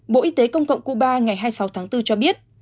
bộ y tế công cộng cuba ngày hai mươi sáu tháng bốn cho biết